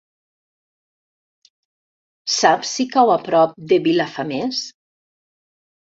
Saps si cau a prop de Vilafamés?